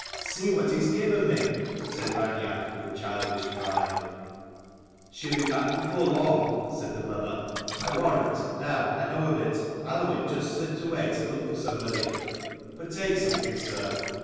"See;, what he has given me," said Raineach with childish pride. "She'll be back before long," said the mother. " I warrant, now I know of it, Aluinn just slipped away to look for somebody. But take something, sir.